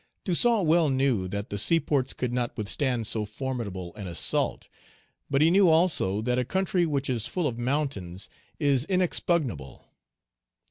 Toussaint well knew that the seaports could not withstand so formidable an assault. But he knew also that a country which is full of mountains is inexpugnable.